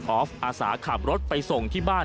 อฟอาสาขับรถไปส่งที่บ้าน